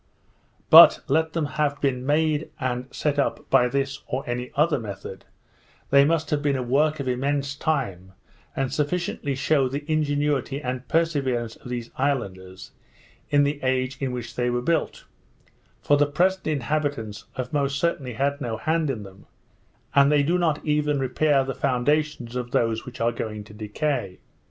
But, let them have been made and set up by this or any other method, they must have been a work of immense time, and sufficiently shew the ingenuity and perseverance of these islanders in the age in which they were built; for the present inhabitants have most certainly had no hand in them, as they do not even repair the foundations of those which are going to decay.